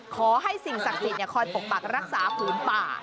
ขอให้สิ่งศักดิ์สิทธิ์คอยปกปักรักษาผืนป่า